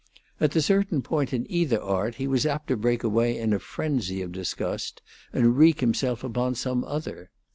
At the certain point in either art he was apt to break away in a frenzy of disgust and wreak himself upon some other.